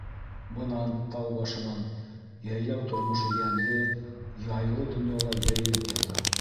Бынан, тау башынан, йәйләү тормошо йәнле, яйлы донъялай йәйелеп ята.